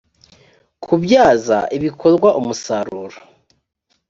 kubyaza ibikorwa umusaruro